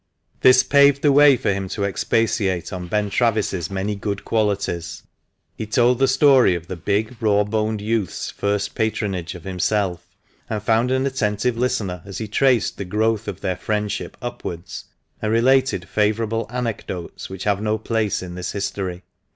This paved the way for him to expatiate on Ben Travis's many good qualities. He told the story of the big, raw boned youth's first patronage of himself, and found an attentive listener as he traced the growth of their friendship upwards, and related favourable anecdotes which have no place in this history.